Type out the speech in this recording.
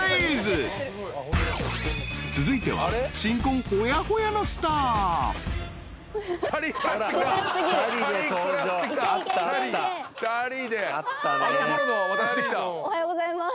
［続いては］おはようございます。